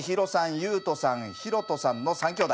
悠人さん大翔さんの３姉弟。